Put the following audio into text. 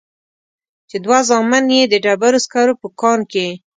چې دوه زامن يې د ډبرو سکرو په کان کې.